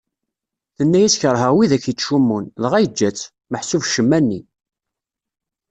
Tenna-yas kerheɣ widak ittcummun, dɣa yeǧǧa-tt ; meḥsub ccemma-nni.